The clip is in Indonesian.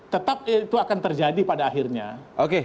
tetap itu akan terjadi pada akhirnya